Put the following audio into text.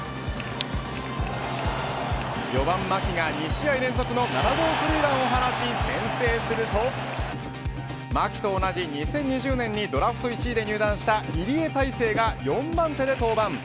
４番、牧が２試合連続の７号スリーランを放ち先制すると牧と同じ２０２０年にドラフト１位で入団した入江大生が４番手で登板。